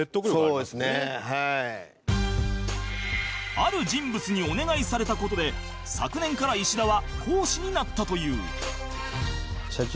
ある人物にお願いされた事で昨年から石田は講師になったという